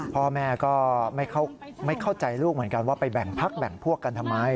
พ่อแม่ก็ไม่เข้าใจลูกเหมือนกันว่าไปแบ่งพักแบ่งพวกกันทำไม